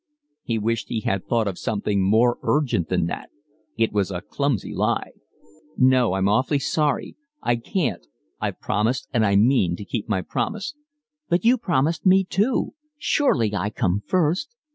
He wished he had thought of something more urgent than that. It was a clumsy lie. "No, I'm awfully sorry, I can't—I've promised and I mean to keep my promise." "But you promised me too. Surely I come first."